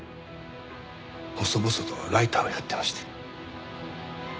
細々とライターをやってまして。